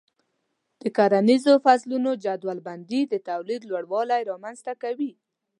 د کرنیزو فصلونو جدول بندي د تولید لوړوالی رامنځته کوي.